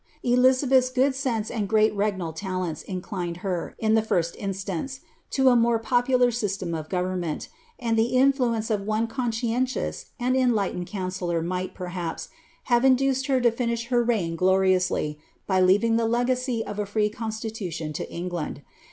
Elizabeth's good sense and great regnal talents inclined her, in the first instance, to a more popular system of government, and the influ ence of one conscientious and enlightened counsellor might, perhaps, have induced her to finish her reign gloriously, by leaving the legacy of a free constitution to England.